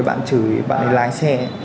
bạn ấy lái xe